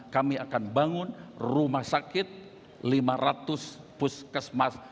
kami akan bangun rumah sakit lima ratus puskesmas